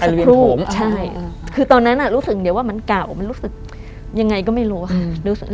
สักครู่ใช่อ่ะคือตอนนั้นอ่ะรู้สึกว่ามันเก่ามันรู้สึกยังไงก็ไม่รู้อ่ะ